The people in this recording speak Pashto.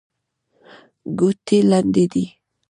ګوتې لنډې دي.